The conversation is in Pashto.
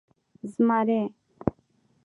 🦬 زمری